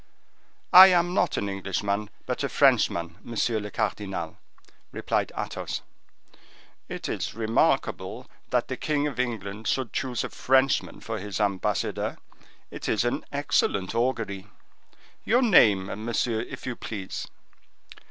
"I am not an Englishman, but a Frenchman, monsieur le cardinal," replied Athos. "It is remarkable that the king of England should choose a Frenchman for his ambassador; it is an excellent augury. Your name, monsieur, if you please."